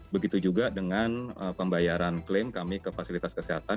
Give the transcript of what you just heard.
begitu juga dengan pembayaran klaim kami ke fasilitas kesehatan